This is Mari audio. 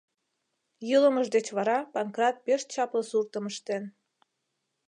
Йӱлымыж деч вара Панкрат пеш чапле суртым ыштен.